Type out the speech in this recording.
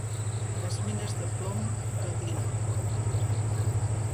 Les mines de plom d'Odin.